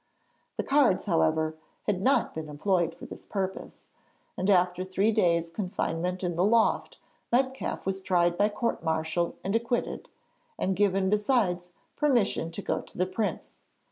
The cards, however, had not been employed for this purpose, and after three days' confinement in a loft Metcalfe was tried by court martial and acquitted, and given besides permission to go to the Prince.